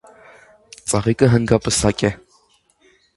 Ծաղիկը հնգապսակ է։